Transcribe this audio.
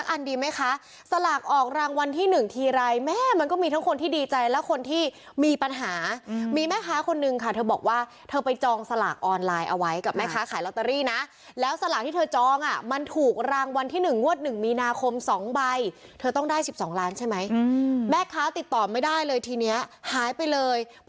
อันดีไหมคะสลากออกรางวัลที่๑ทีไรแม่มันก็มีทั้งคนที่ดีใจและคนที่มีปัญหามีแม่ค้าคนนึงค่ะเธอบอกว่าเธอไปจองสลากออนไลน์เอาไว้กับแม่ค้าขายลอตเตอรี่นะแล้วสลากที่เธอจองอ่ะมันถูกรางวัลที่๑งวด๑มีนาคม๒ใบเธอต้องได้๑๒ล้านใช่ไหมแม่ค้าติดต่อไม่ได้เลยทีนี้หายไปเลย